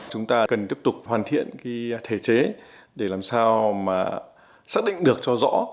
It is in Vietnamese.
chúng ta cần tiếp tục hoàn thiện thể chế để làm sao mà xác định được cho rõ